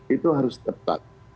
itu harus tetap